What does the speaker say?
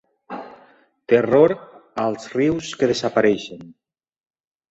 Terror als rius que desapareixen.